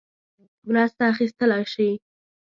مرسته اخیستلای شي.